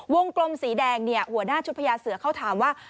กลมสีแดงเนี่ยหัวหน้าชุดพญาเสือเขาถามว่า